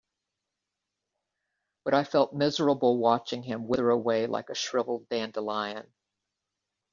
But I felt miserable watching him wither away like a shriveled dandelion.